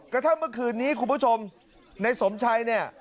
กระทั่งเมื่อคืนนี้คุณผู้ชมในสมชัยเนี่ย